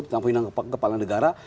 penampilan kepala negara